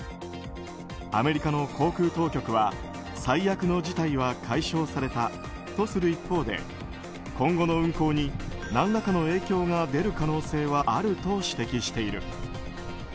アメリカの航空当局は最悪の事態は解消されたとする一方で今後の運航に何らかの影響が出る可能性はあると指摘している。